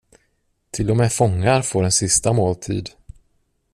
Till och med fångar får en sista måltid.